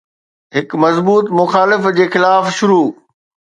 هڪ مضبوط مخالف جي خلاف شروع